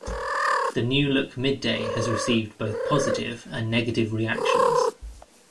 The new look Mid-Day has received both positive and negative reactions.